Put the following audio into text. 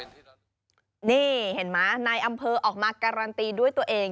นี่เห็นไหมนายอำเภอออกมาการันตีด้วยตัวเอง